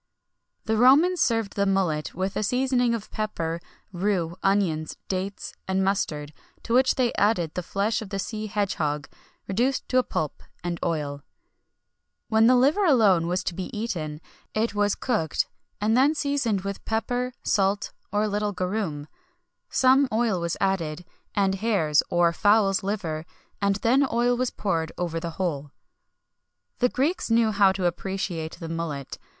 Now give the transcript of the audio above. The Romans served the mullet with a seasoning of pepper, rue, onions, dates, and mustard, to which they added the flesh of the sea hedge hog reduced to a pulp, and oil.[XXI 55] When the liver alone was to be eaten, it was cooked, and then seasoned with pepper, salt, or a little garum some oil was added, and hare's or fowl's liver, and then oil was poured over the whole.[XXI 56] The Greeks knew how to appreciate the mullet.